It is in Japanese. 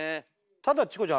ただチコちゃん